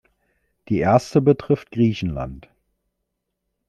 Die erste betrifft Griechenland.